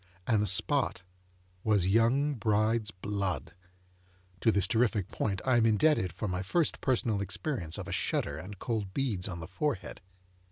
And the spot was young bride's blood. (To this terrific point I am indebted for my first personal experience of a shudder and cold beads on the forehead.)